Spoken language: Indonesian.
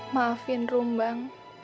maafin rom bang